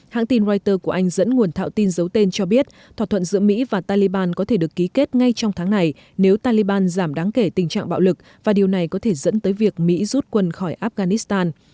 hãng tin reuters của anh dẫn nguồn thạo tin giấu tên cho biết thỏa thuận giữa mỹ và taliban có thể được ký kết ngay trong tháng này nếu taliban giảm đáng kể tình trạng bạo lực và điều này có thể dẫn tới việc mỹ rút quân khỏi afghanistan